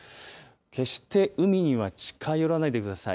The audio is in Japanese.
決して海には近寄らないでください。